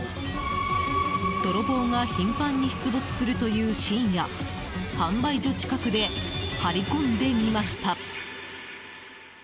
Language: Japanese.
泥棒が頻繁に出没するという深夜販売所近くで張り込んでみました。